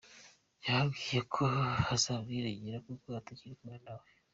Yababwiye ko bazabyirengera kuko atakiri kumwe nawe.